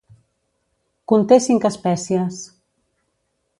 Conté cinc espècies.